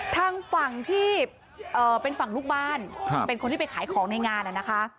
ทางฝั่งที่เป็นฝั่งลูกบ้านเป็นคนที่ไปขายของในงานนะคะ